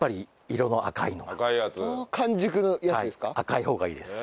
赤い方がいいです。